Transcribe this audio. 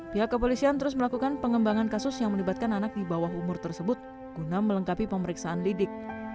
pihak kepolisian terus melakukan pengembangan kasus yang melibatkan anak di bawah umur tersebut guna melengkapi pemeriksaan lidik